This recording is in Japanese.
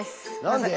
何で？